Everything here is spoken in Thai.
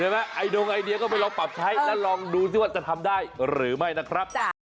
ไอดงไอเดียก็ไปลองปรับใช้แล้วลองดูซิว่าจะทำได้หรือไม่นะครับ